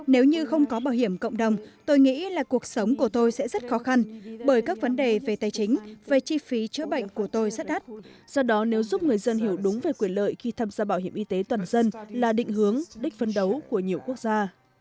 nếu như không có bảo hiểm cộng đồng tôi nghĩ là cuộc sống của tôi sẽ rất khó khăn bởi các vấn đề về tài chính về chi phí chữa bệnh của tôi rất đắt do đó nếu giúp người dân hiểu đúng về quyền lợi khi tham gia bảo hiểm y tế toàn dân là định hướng đích phân đấu của nhiều quốc gia